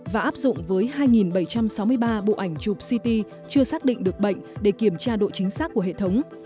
và áp dụng với hai bảy trăm sáu mươi ba bộ ảnh chụp ct chưa xác định được bệnh để kiểm tra độ chính xác của hệ thống